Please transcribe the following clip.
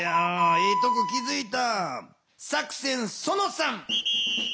ええとこ気づいた。